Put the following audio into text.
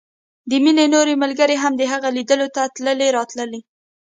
د مينې نورې ملګرې هم د هغې ليدلو ته تلې راتلې